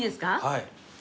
はい。